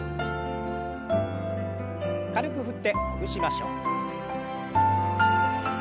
軽く振ってほぐしましょう。